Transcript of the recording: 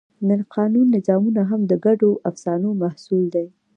د قانون نظامونه هم د ګډو افسانو محصول دي.